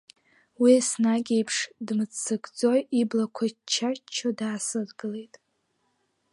Уи еснагь еиԥш дмыццакӡо, иблақәа чча-ччо даасыдгылеит.